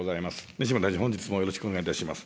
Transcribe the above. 西村大臣、本日もよろしくお願いいたします。